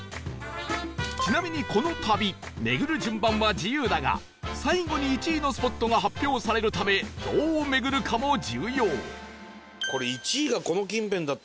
ちなみにこの旅巡る順番は自由だが最後に１位のスポットが発表されるためどう巡るかも重要